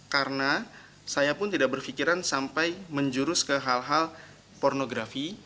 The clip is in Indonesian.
karena saya pun tidak berpikiran sampai menjurus ke hal hal pornografi